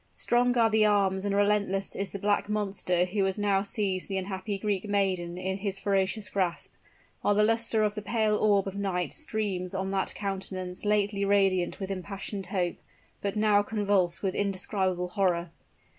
Strong are the arms and relentless is the black monster who has now seized the unhappy Greek maiden in his ferocious grasp while the luster of the pale orb of night streams on that countenance lately radiant with impassioned hope, but now convulsed with indescribable horror.